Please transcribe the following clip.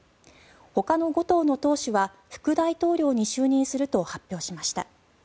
ほかの５党の党首は副大統領に就任すると発表しました。